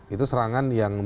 itu serangan yang